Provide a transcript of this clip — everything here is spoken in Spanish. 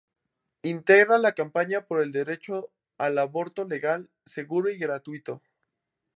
Integra la Campaña por el derecho al aborto legal, seguro y gratuito.